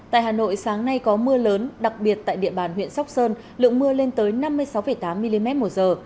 tại hà nội sáng nay có mưa lớn đặc biệt tại địa bàn huyện sóc sơn lượng mưa lên tới năm mươi sáu tám mm một giờ